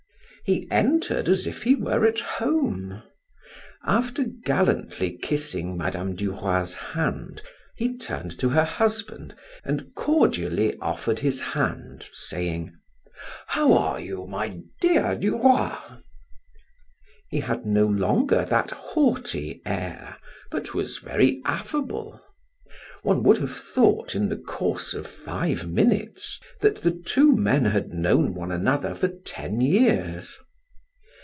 He entered as if he were at home. After gallantly kissing Mme. Du Roy's hand, he turned to her husband and cordially offered his hand, saying: "How are you, my dear Du Roy?" He had no longer that haughty air, but was very affable. One would have thought in the course of five minutes, that the two men had known one another for ten years.